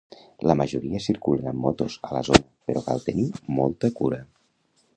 La majoria circulen amb motos a la zona, però cal tenir molta cura.